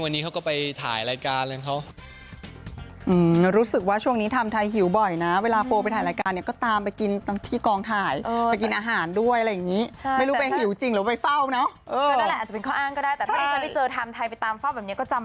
บางวันอย่างเช่นวันนี้เขาก็ไปถ่ายรายการนะครับ